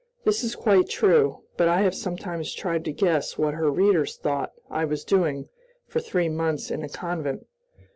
This is quite true; but I have sometimes tried to guess what her readers thought I was doing for three months in a convent.